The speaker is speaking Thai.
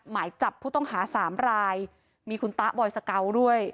หมายจับผู้ต้องหาสามรายมีคุณตะบอยสเกาด้วย